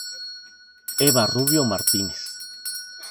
Eva Rubio Martínez.